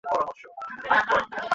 দেবতার পূজার জন্য।